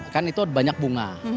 kan itu banyak bunga